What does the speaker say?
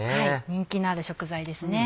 人気のある食材ですね。